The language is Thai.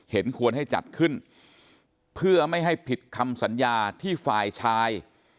ควรให้จัดขึ้นเพื่อไม่ให้ผิดคำสัญญาที่ฝ่ายชาย